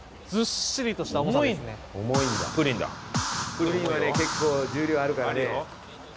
プリンはね結構重量あるからね。